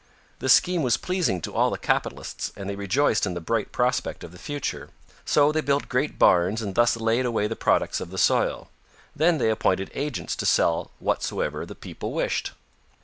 This scheme was pleasing to all the capitalists and they rejoiced in the bright prospect of the future. So they built great barns and thus laid away the products of the soil. Then they appointed agents to sell whatsoever the people wished.